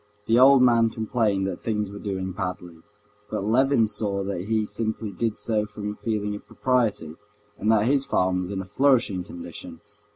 The old man complained that things were doing badly. But Levin saw that he simply did so from a feeling of propriety, and that his farm was in a flourishing condition.